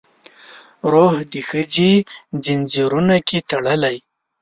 روح د ښځې ځنځیرونو کې تړلی